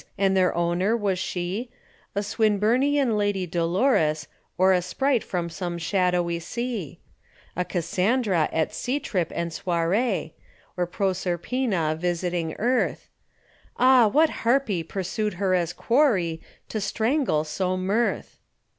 And their owner, was she A Swinburnian Lady Dolores, Or a sprite from some shadowy sea? A Cassandra at sea trip and soirée, Or Proserpina visiting earth? Ah, what Harpy pursued her as quarry To strangle so mirth?